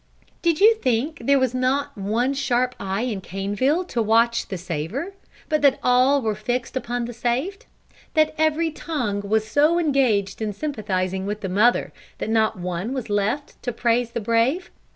Did you think there was not one sharp eye in Caneville to watch the saver, but that all were fixed upon the saved? That every tongue was so engaged in sympathizing with the mother, that not one was left to praise the brave?